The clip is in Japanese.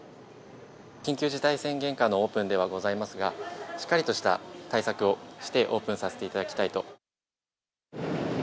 緊急事態宣言下のオープンではございますが、しっかりとした対策をして、オープンさせていただきたいと。